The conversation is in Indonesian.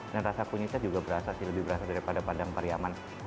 dan rasa kunyitnya juga berasa sih lebih berasa daripada padang pariaman